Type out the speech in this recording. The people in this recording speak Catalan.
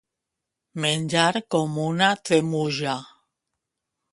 Menjar com una tremuja.